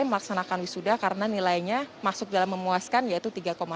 melaksanakan wisuda karena nilainya masuk dalam memuaskan yaitu tiga dua puluh delapan